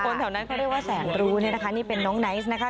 แถวนั้นเขาเรียกว่าแสนรู้เนี่ยนะคะนี่เป็นน้องไนท์นะคะ